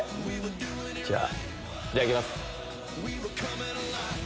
じゃあ、いただきます。